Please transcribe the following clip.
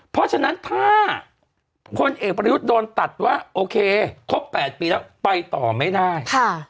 เพราะฉะนั้นถ้าพลเอกประยุทธ์โดนตัดว่าโอเคครบ๘ปีแล้วไปต่อไม่ได้